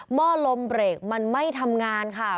ห้อลมเบรกมันไม่ทำงานค่ะ